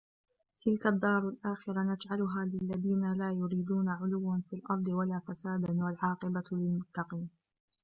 تلك الدار الآخرة نجعلها للذين لا يريدون علوا في الأرض ولا فسادا والعاقبة للمتقين